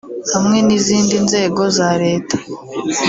hamwe n’izindi nzego za Leta